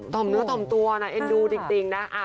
มเนื้อต่อมตัวนะเอ็นดูจริงนะ